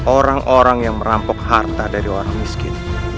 orang orang yang merampok harta dari orang miskin